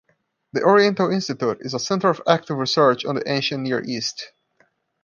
The Oriental Institute is a center of active research on the ancient Near East.